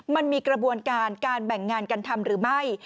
มันมีกระบวนการการแบ่งงานกันทำหรือไม่